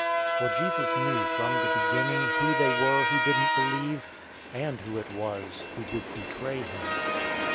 For Jesus knew from the beginning who they were who didn't believe, and who it was who would betray him.